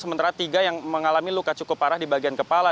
sementara tiga yang mengalami luka cukup parah di bagian kepala